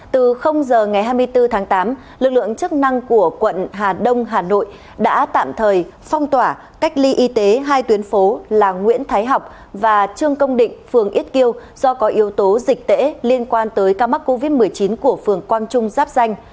từ giờ ngày hai mươi bốn tháng tám lực lượng chức năng của quận hà đông hà nội đã tạm thời phong tỏa cách ly y tế hai tuyến phố là nguyễn thái học và trương công định phường ít kiêu do có yếu tố dịch tễ liên quan tới ca mắc covid một mươi chín của phường quang trung giáp danh